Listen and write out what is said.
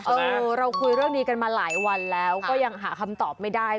เออเราคุยเรื่องนี้กันมาหลายวันแล้วก็ยังหาคำตอบไม่ได้